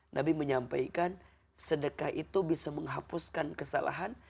nabi menyampaikan sedekah itu bisa menghapuskan kesalahan